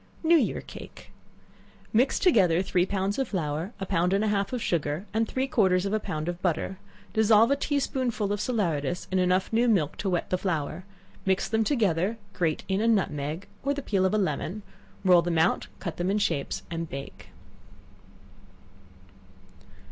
New Year Cake. Mix together three pounds of flour, a pound and a half of sugar, and three quarters of a pound of butter: dissolve a tea spoonful of salaeratus in enough new milk to wet the flour; mix them together; grate in a nutmeg, or the peel of a lemon; roll them out, cut them in shapes, and bake.